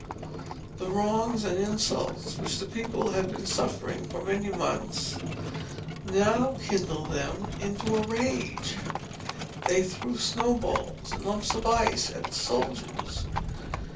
The wrongs and insults, which the people had been suffering for many months, now kindled them into a rage. They threw snow balls and lumps of ice at the soldiers.